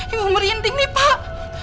ibu merinding nih pak